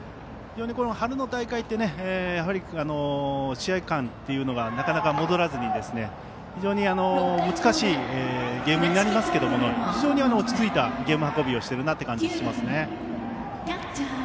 非常に春の大会って試合勘というのがなかなか戻らずに非常に難しいゲームになりますが非常に落ち着いたゲーム運びをしているなという感じがします。